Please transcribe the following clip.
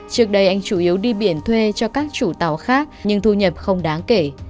trước đây anh chủ yếu đi biển thuê cho các chủ tàu khác nhưng thu nhập không đáng kể